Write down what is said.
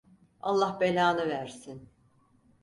Allah belanı versin!